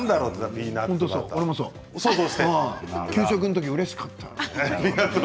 給食のとき、うれしかった。